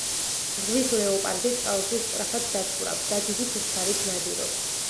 ზღვის ლეოპარდი წყალში სწრაფად დაცურავს და დიდი სიჩქარით ნადირობს.